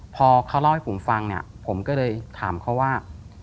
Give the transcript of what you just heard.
พอเขาเล่าให้ผมฟังเนี่ยผมก็เลยถามเขาว่า